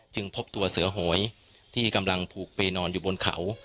พบตัวเสือโหยที่กำลังผูกไปนอนอยู่บนเขา